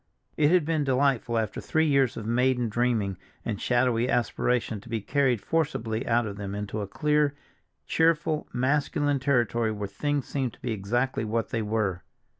It had been delightful after three years of maiden dreaming and shadowy aspiration to be carried forcibly out of them into a clear, cheerful, masculine territory where things seemed to be exactly what they were.